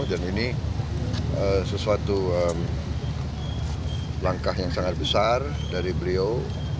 dan ini sesuatu langkah yang sangat besar dari beliau